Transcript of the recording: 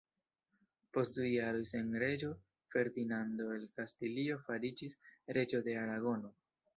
Post du jaroj sen reĝo, Ferdinando el Kastilio fariĝis reĝo de Aragono.